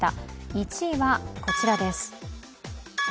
１位はこちらです。